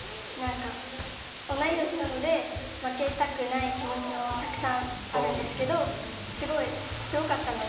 同い年なので負けたくない気持ちもたくさんあるんですけどすごかったので。